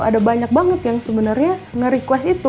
ada banyak banget yang sebenarnya nge request itu